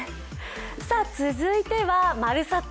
続いては「＃まるサタ！